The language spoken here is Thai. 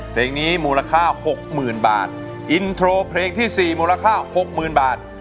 เพลงนี้มูลค่าหกหมื่นบาทอินโทรเพลงที่สี่มูลค่าหกหมื่นบาท